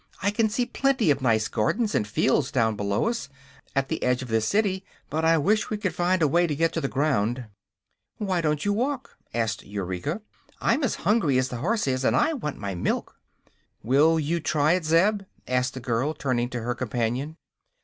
"I can see plenty of nice gardens and fields down below us, at the edge of this city. But I wish we could find a way to get to the ground." "Why don't you walk down?" asked Eureka. "I'm as hungry as the horse is, and I want my milk." "Will you try it, Zeb" asked the girl, turning to her companion.